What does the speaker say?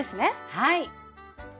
はい。